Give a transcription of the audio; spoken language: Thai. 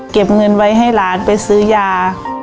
เก็บเงินไว้ให้หลานไปซื้อยา